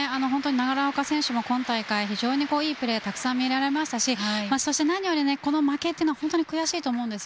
奈良岡選手も今大会非常に良いプレーがたくさん見られましたし何より負けというのが悔しいと思うんです。